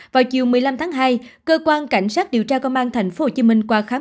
vào chiều một mươi năm tháng hai cơ quan cảnh sát điều tra công an tp hcm qua khám